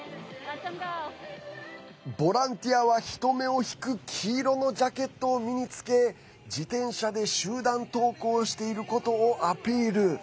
ボランティアは人目を引く黄色のジャケットを身に着け自転車で集団登校していることをアピール。